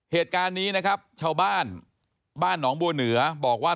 เหตุการณ์นี้นะครับชาวบ้านบ้านหนองบัวเหนือบอกว่า